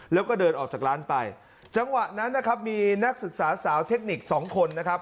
แล้วก็เดินออกจากร้านไปจังหวะนั้นนะครับมีนักศึกษาสาวเทคนิคสองคนนะครับ